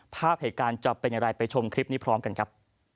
ภาพเหตุการณ์จะเป็นอย่างไรไปชมคลิปนี้พร้อมกันครับ